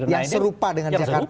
yang serupa dengan jakarta